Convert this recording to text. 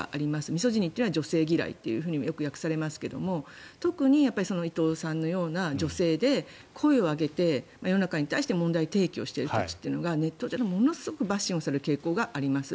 ミソジニーというのは女性嫌いとも、よく訳されますが特に伊藤さんのような女性で声を上げて世の中に対して問題提起をしている人たちというのがネット上でものすごいバッシングをされる傾向があります。